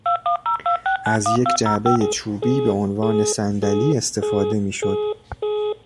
از یک جعبهی چوبی به عنوان صندلی استفاده میشد.